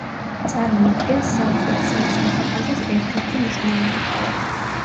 წარმოადგენს სამხრეთ სინის მუჰაფაზის ერთ-ერთი მნიშვნელოვან ქალაქს.